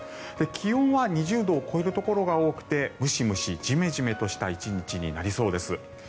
気温は２０度を超えるところが多くてムシムシ、ジメジメとした１日になりそうです。